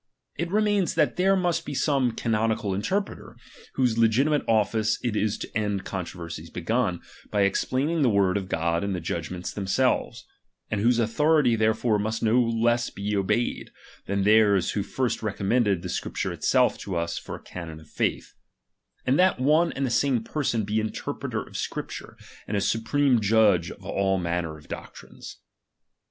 It remains, that there must be some canonical interpreter, whose legiti mate office it is to end controversies begun, by ex plaining the word of God in the judgments them selves ; and whose authority therefore must be no less obeyed, than theirs who first recommended the Scripture itself to us for a canon of faith ; and that one and the same person be an interpreter of ^Scripture, and a supreme judge of all manner of ^ioctrines.